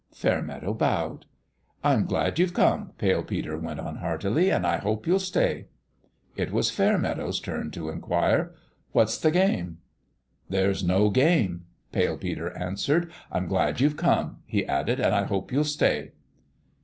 Fairmeadow bowed. " I'm glad you've come," Pale Peter went on, heartily ;" and I hope you'll stay." It was Fairmeadow's turn to inquire : "What's the game?" "There's no game," Pale Peter answered. "I'm glad you've come," he added, "and I hope you'll stay."